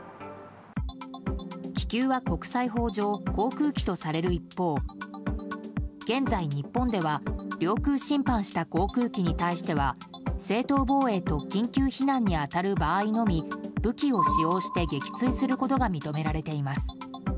気球は国際法上航空機とされる一方現在、日本では領空侵犯した航空機に対しては正当防衛と緊急避難に当たる場合のみ武器を使用して撃墜することが認められています。